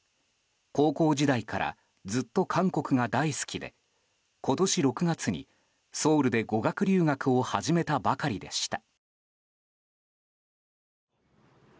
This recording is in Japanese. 高校時代からずっと韓国が大好きで今年６月に、ソウルで語学留学を始めたばかりでした。